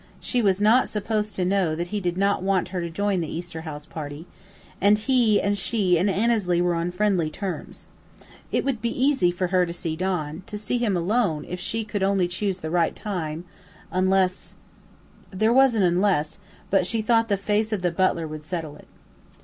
She was not supposed to know that he did not want her to join the Easter house party, and he and she and Annesley were on friendly terms. It would be easy for her to see Don, to see him alone, if she could only choose the right time, unless There was an "unless," but she thought the face of the butler would settle it.